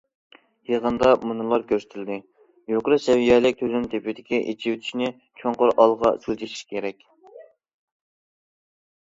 يىغىندا مۇنۇلار كۆرسىتىلدى: يۇقىرى سەۋىيەلىك تۈزۈم تىپىدىكى ئېچىۋېتىشنى چوڭقۇر ئالغا سىلجىتىش كېرەك.